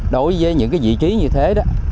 đối với những vị trí như thế